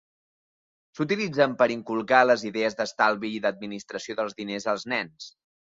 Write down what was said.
S'utilitzen per inculcar les idees d'estalvi i d'administració dels diners als nens.